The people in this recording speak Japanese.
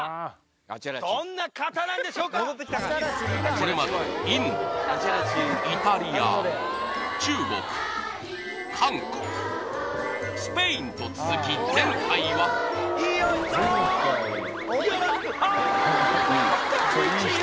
これまでインドイタリア中国韓国スペインと続きよいしょー！